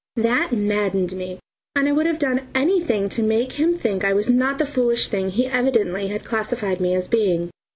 That maddened me, and I would have done anything to make him think I was not the foolish thing he evidently had classified me as being.